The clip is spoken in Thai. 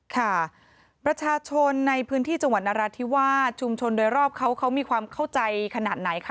ค่ะประชาชนในพื้นที่จังหวัดนราธิวาสชุมชนโดยรอบเขาเขามีความเข้าใจขนาดไหนคะ